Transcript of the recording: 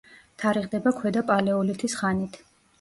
თარიღდება ქვედა პალეოლითის ხანით.